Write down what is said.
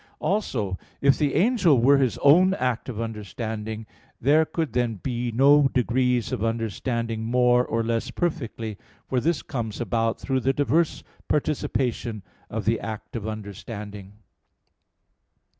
Also, if the angel were his own act of understanding, there could then be no degrees of understanding more or less perfectly; for this comes about through the diverse participation of the act of understanding.